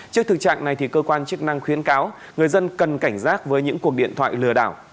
trước thực trạng này cơ quan chức năng khuyến cáo người dân cần cảnh giác với những cuộc điện thoại lừa đảo